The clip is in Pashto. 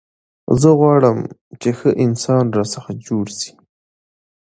زه غواړم، چي ښه انسان راڅخه جوړ سي.